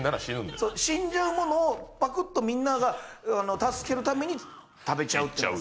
そう死んじゃうものをパクッとみんなを助けるために食べちゃうってのがスゴい。